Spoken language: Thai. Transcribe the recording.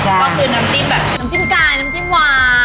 ก็คือน้ำจิ้มแบบน้ำจิ้มกายน้ำจิ้มหวาน